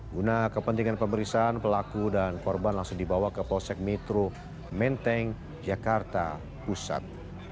guna kepentingan pemeriksaan pelaku dan korban langsung dibawa ke polsek metro menteng jakarta pusat